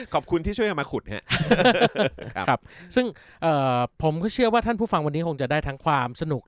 ขอบคุณที่ช่วยกันมาขุดครับซึ่งผมก็เชื่อว่าท่านผู้ฟังวันนี้คงจะได้ทั้งความสนุก